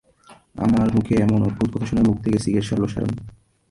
আমার মুখে এমন অদ্ভুত কথা শুনে মুখ থেকে সিগারেট সরাল শ্যারন।